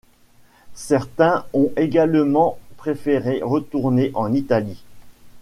Certains ont également préféré retourner en Italie.